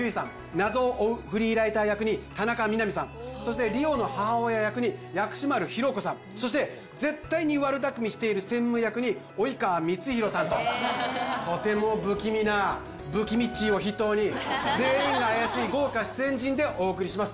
謎を追うフリーライター役に田中みな実さんそして梨央の母親役に薬師丸ひろ子さんそして絶対に悪巧みしている専務役に及川光博さんととても不気味なブキミッチーを筆頭に全員が怪しい豪華出演陣でお送りします